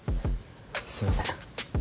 すみません。